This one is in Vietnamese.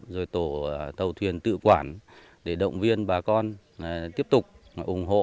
rồi tổ tàu thuyền tự quản để động viên bà con tiếp tục ủng hộ